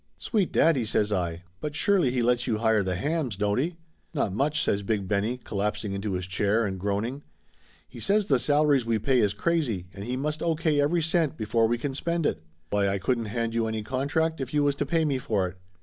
"Sweet daddy!" says I. "But surely he lets you hire the hams, don't he?" "Not much!" says Big Benny, collapsing into his chair and groaning. "He says the salaries we pay is crazy, and he must O. K. every cent before we can spend it. Why, I couldn't hand you any contract if you was to pay me for it.